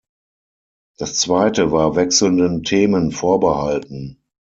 Das zweite war wechselnden Themen vorbehalten.